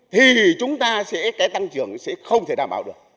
thì chúng ta sẽ cái tăng trưởng sẽ không thể đảm bảo được